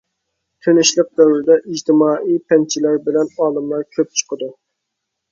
تىنچلىق دەۋرىدە ئىجتىمائىي پەنچىلەر بىلەن ئالىملار كۆپ چىقىدۇ.